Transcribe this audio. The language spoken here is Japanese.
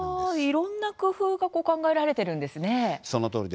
いろんな工夫が考えられているんですね。